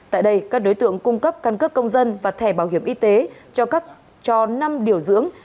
tại đây các đối tượng cung cấp căn cước công dân và thẻ bảo hiểm y tế cho năm điều dưỡng